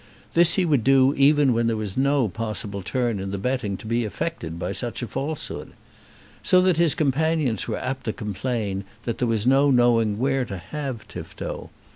This he would do even where there was no possible turn in the betting to be affected by such falsehood. So that his companions were apt to complain that there was no knowing where to have Tifto.